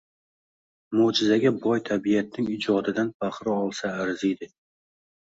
Mo‘jizaga boy tabiatning ijodidan bahra olsa arziydi